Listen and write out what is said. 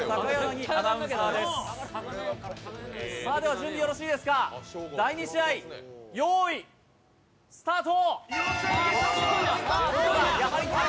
では準備よろしいですか、第２試合、よーい、スタート。